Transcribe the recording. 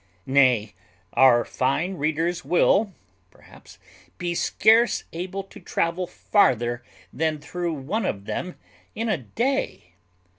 Nay, our fine readers will, perhaps, be scarce able to travel farther than through one of them in a day.